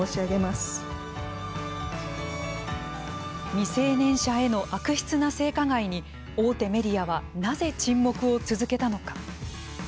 未成年者への悪質な性加害に、大手メディアはなぜ沈黙を続けたのか。